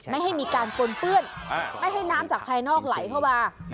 ไม่ให้มีการปนเปื้อนไม่ให้น้ำจากภายนอกไหลเข้ามา